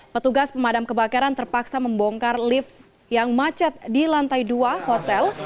petugas pemadam kebakaran terpaksa membongkar lift yang macet di lantai dua hotel